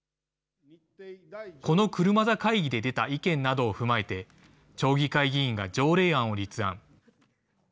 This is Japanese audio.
この車座会議で出た意見などを踏まえて、町議会議員が条例案を立案。